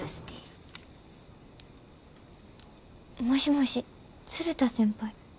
もしもし鶴田先輩？